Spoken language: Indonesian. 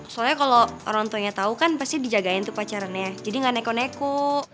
soalnya kalo orang tuanya tau kan pasti dijagain tuh pacarannya jadi ga neko neko